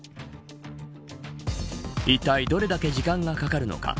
いったい、どれだけ時間がかかるのか。